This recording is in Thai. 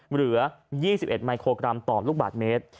เหลือ๒๑มิโครกรัมต่อลูกบาทเมตร